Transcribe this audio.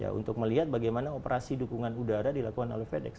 ya untuk melihat bagaimana operasi dukungan udara dilakukan oleh fedex